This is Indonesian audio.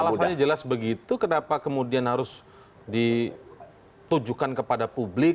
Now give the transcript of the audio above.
alasannya jelas begitu kenapa kemudian harus ditujukan kepada publik